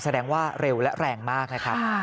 แสดงว่าเร็วและแรงมากนะครับ